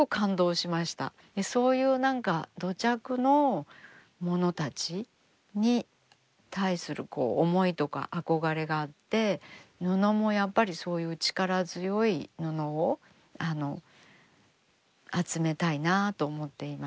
そういう何か土着のものたちに対する思いとか憧れがあって布もやっぱりそういう力強い布を集めたいなと思っています。